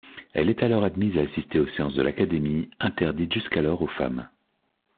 Elle est alors admise à assister aux séances de l'Académie, interdite jusqu'alors aux femmes.